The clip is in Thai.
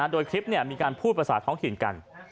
โดยคลิปมีการพูดภาษาท้องถิ่นกัน